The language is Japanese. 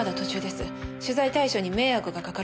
取材対象に迷惑がかかる可能性があります。